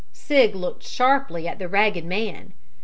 Sig looked sharply at the ragged man.